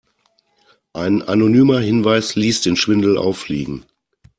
Ein anonymer Hinweis ließ den Schwindel auffliegen.